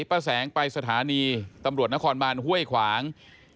ป้าแสงไปสถานีตำรวจนครบานห้วยขวาง